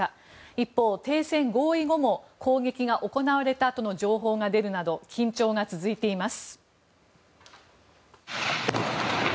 一方、停戦合意後も攻撃が行われたとの情報が出るなど緊張が続いています。